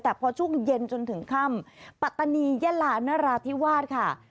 แต่พอช่วงเย็นจนถึงค่ำปัตตานียะลานราธิวาสค่ะ